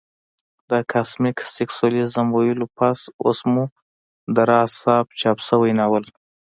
د کاسمک سېکسوليزم ويلو پس اوس مو د راز صاحب چاپ شوى ناول